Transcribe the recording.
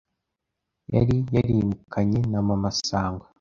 yari yarimukanye na Mama Sangwa